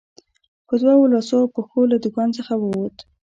په دوو لاسو او پښو له دوکان څخه ووت.